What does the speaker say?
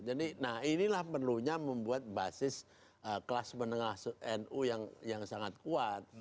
jadi inilah perlunya membuat basis kelas menengah nu yang sangat kuat